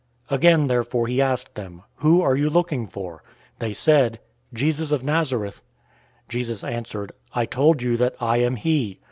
018:007 Again therefore he asked them, "Who are you looking for?" They said, "Jesus of Nazareth." 018:008 Jesus answered, "I told you that I am he.